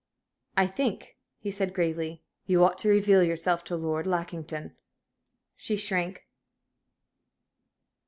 "I think," he said, gravely, "you ought to reveal yourself to Lord Lackington." She shrank.